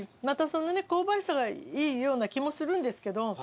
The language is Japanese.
またその香ばしさがいいような気もするんですけど。